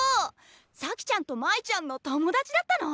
咲ちゃんと舞ちゃんの友達だったの？